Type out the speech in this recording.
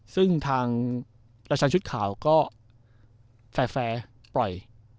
ซึ่งทางประชาชนชุดข่าวก็แฟร์ปล่อย